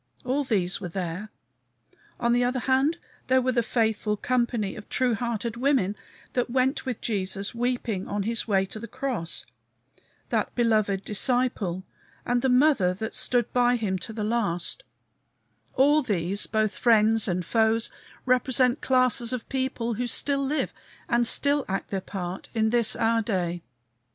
All these were there. On the other hand, there were the faithful company of true hearted women that went with Jesus weeping on his way to the cross; that beloved disciple and the Mother that stood by him to the last; all these, both friends and foes, represent classes of people who still live and still act their part in this our day.